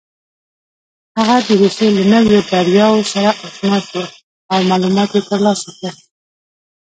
هغه د روسيې له نویو بریاوو سره اشنا شو او معلومات یې ترلاسه کړل.